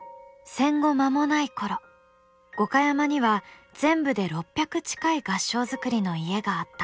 戦後間もない頃五箇山には全部で６００近い合掌造りの家があった。